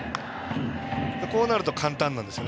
こうなると簡単なんですよ